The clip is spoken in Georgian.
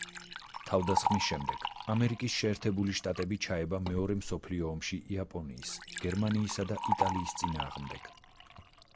თავდასხმის შემდეგ ამერიკის შეერთებული შტატები ჩაება მეორე მსოფლიო ომში იაპონიის, გერმანიისა და იტალიის წინააღმდეგ.